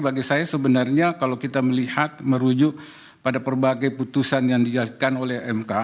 bagi saya sebenarnya kalau kita melihat merujuk pada berbagai putusan yang dijadikan oleh mk